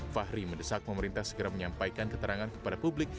fahri mendesak pemerintah segera menyampaikan keterangan kepada publik